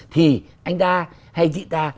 thì anh ta hay chị ta